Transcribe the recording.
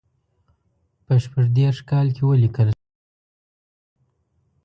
په شپږ دېرش کال کې ولیکل شو.